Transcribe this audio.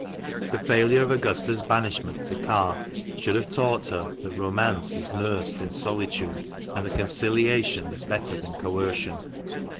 The failure of Augusta's banishment to Carr should have taught her that romance is nursed in solitude, and that conciliation is 368 THE MANCHESTER MAN. better than coercion.